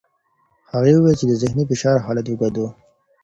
هغې وویل چې د ذهني فشار حالت اوږد و.